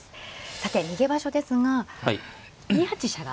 さて逃げ場所ですが２八飛車が。